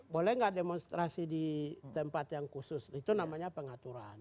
boleh nggak demonstrasi di tempat yang khusus itu namanya pengaturan